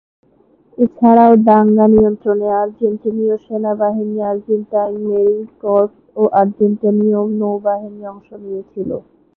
এছাড়াও দাঙ্গা নিয়ন্ত্রণে আর্জেন্টেনীয় সেনাবাহিনী, আর্জেন্টাইন মেরিন কর্পস এবং আর্জেন্টেনীয় নৌবাহিনী অংশ নিয়েছিল।